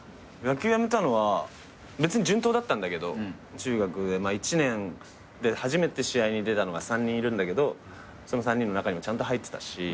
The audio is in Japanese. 野球やめたのは別に順当だったんだけど中学で１年で初めて試合に出たのが３人いるんだけどその３人の中にもちゃんと入ってたし。